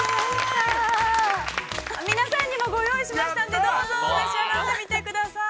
◆皆さんにもご用意しましたんで、どうぞ召し上がってみてください。